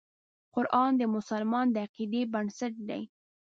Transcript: قرآن د مسلمان د عقیدې بنسټ دی.